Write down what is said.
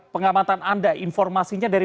pengamatan anda informasinya dari